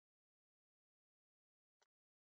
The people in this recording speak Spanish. Where you're going with that mask I found?